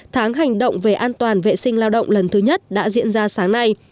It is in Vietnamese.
tháng hành động về an toàn vệ sinh lao động lần thứ nhất đã diễn ra sáng nay